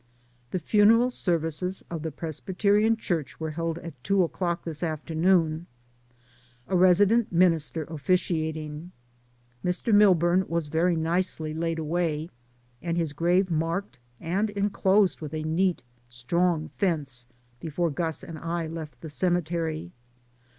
The funeral services of the Presbyterian Church were held at two o'clock this after 52 DAYS ON THE ROAD. noon, a resident minister officiating. Mr. Milburn was very nicely laid away, and his grave marked and enclosed with a neat, strong fence before Gus and I left the ceme tery.